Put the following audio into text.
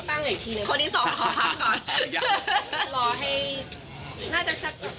ต้องตั้งอีกทีหนึ่งคนที่สองขอพักก่อน